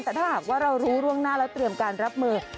แต่ถ้าหากว่าเรารู้ร่วงหน้าแล้วเตรียมการรับมือ